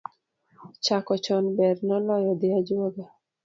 Chako Chon ber, noloyo dhi ajuoga